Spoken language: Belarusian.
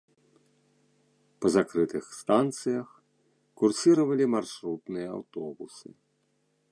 Па закрытых станцыях курсіравалі маршрутныя аўтобусы.